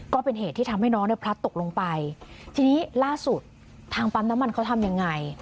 ก็เป็นเหตุที่ทำให้น้องเนี่ยพลัดตกลงไปทีนี้ล่าสุดทางปั๊มน้ำมันเขาทำยังไง